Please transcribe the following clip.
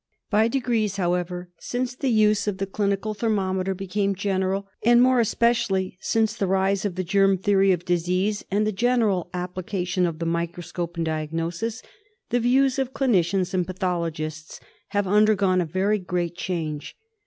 By degrees, however, since the use of the clinical thermometer became general and, more especially, since the rise of the germ theory of disease, and the general application of the microscope in diagnosis, the views of clinicians and pathologists have undergone a very great change.